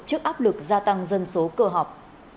trước áp lực gia tăng dân số cơ học